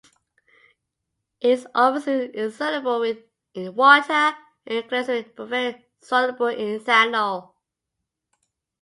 It is almost insoluble in water and glycerin, but very soluble in ethanol.